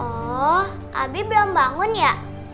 oh abi belum bangun ya